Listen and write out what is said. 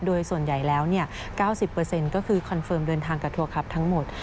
โดยส่วนใหญ่แล้ว๙๐ก็คือคอนเฟิร์มเดินทางกับทัวร์ครับทั้งหมด